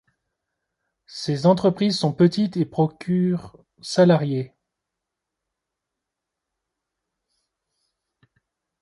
Ces entreprises sont petites et procurent salariés.